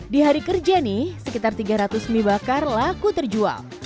di hari kerja nih sekitar tiga ratus mie bakar laku terjual